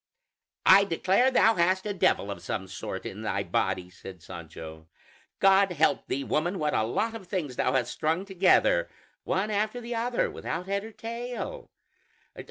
"I declare, thou hast a devil of some sort in thy body!" said Sancho. "God help thee, woman, what a lot of things thou hast strung together, one after the other, without head or tail!